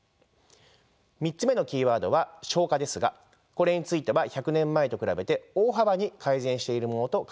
３つ目のキーワードは消火ですがこれについては１００年前と比べて大幅に改善しているものと考えられます。